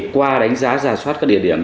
qua đánh giá giả soát các địa điểm